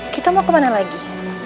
kita mau kemana lagi